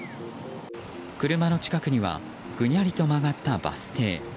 車の近くにはぐにゃりと曲がったバス停。